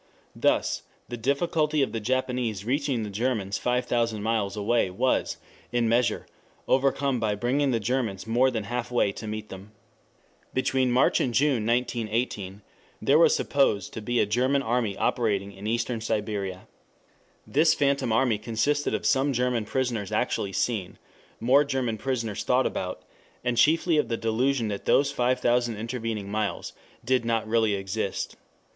Thus the difficulty of the Japanese reaching the Germans five thousand miles away was, in measure, overcome by bringing the Germans more than half way to meet them. Between March and June 1918, there was supposed to be a German army operating in Eastern Siberia. This phantom army consisted of some German prisoners actually seen, more German prisoners thought about, and chiefly of the delusion that those five thousand intervening miles did not really exist.